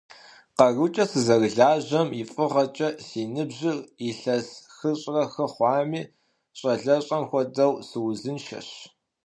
КъарукӀэ сызэрылажьэм и фӀыгъэкӀэ, си ныбжьыр илъэс хыщӏрэ хы хъуами, щӀалэщӀэм хуэдэу, сыузыншэщ.